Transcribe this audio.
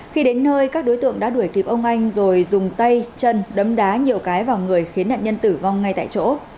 khi đến nơi các đối tượng đã đuổi kịp ông anh rồi dùng tay chân đấm đá nhiều cái vào người khiến nạn nhân tử vong ngay tại chỗ